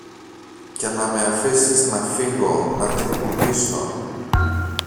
και να με αφήσεις να φύγω, να την πουλήσω